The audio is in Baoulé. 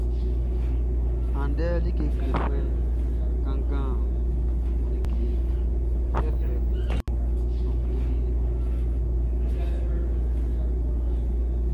Andɛʼn, like klefuɛʼn kanngan ndɛ fɛfɛ kun nun kle e.